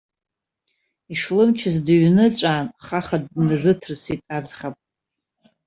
Ишлымчыз дыҩныҵәаан, хаха дназыҭрысит аӡӷаб.